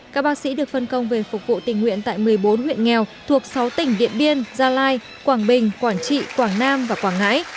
các bác sĩ được phân công về phục vụ tình nguyện tại một mươi bốn huyện nghèo thuộc sáu tỉnh điện biên gia lai quảng bình quảng trị quảng nam và quảng ngãi